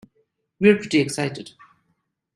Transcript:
We're pretty excited.